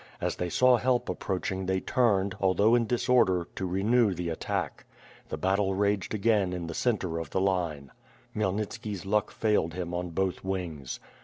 As they saw help approaching they turned, although in disorder, to renew the attack. The battle raged again in the centre of the line. Khmyelnitski's luck failed him on both wings.